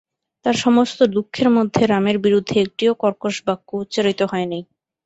তাঁর সমস্ত দুঃখের মধ্যে রামের বিরুদ্ধে একটিও কর্কশ বাক্য উচ্চারিত হয় নাই।